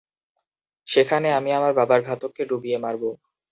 সেখানে আমি আমার বাবার ঘাতককে ডুবিয়ে মারবো।